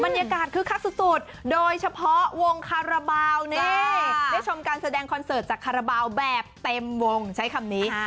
บรรยากาศคือคักสุดสุดโดยเฉพาะวงคาราบาลเนี้ยค่ะได้ชมการแสดงคอนเสิร์ตจากคาราบาลแบบเต็มวงใช้คำนี้ค่ะ